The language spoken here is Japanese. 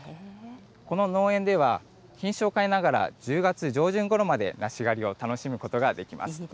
この農園では品種をかえながら、１０月上旬ごろまで梨狩りを楽しむことができます。